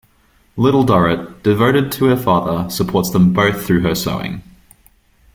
Little Dorrit, devoted to her father, supports them both through her sewing.